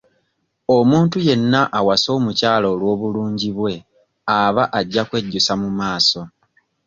Omuntu yenna awasa omukyala olw'obulungi bwe aba ajja kwejjusa mu maaso.